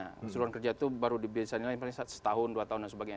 keseluruhan kerja itu baru dibiasakan setahun dua tahun dan sebagainya